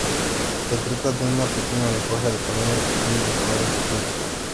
Se trata de una mariposa de tamaño pequeño, de colores vivos.